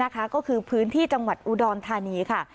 ก็คือพื้นที่จังหวัดอุดรธานีค่ะ